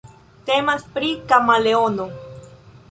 Temas pri kameleono.